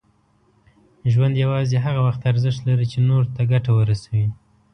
ژوند یوازې هغه وخت ارزښت لري، چې نور ته ګټه ورسوي.